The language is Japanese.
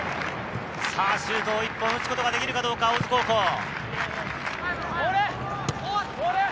シュートを１本打つことができるかどうか、大津高校。